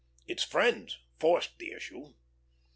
Its friends forced the issue.